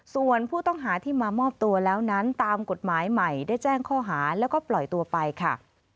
ส่วนผู้ต้องหาที่มามอบตัวแล้วนั้นตามกฎหมายใหม่ได้แจ้งข้อหาแล้วก็ปล่อยตัวไปค่ะ